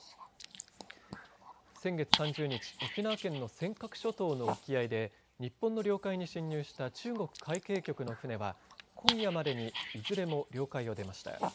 先月３０日沖縄県の尖閣諸島の沖合で日本の領海に侵入した中国海警局の船は今夜までにいずれも領海を出ました。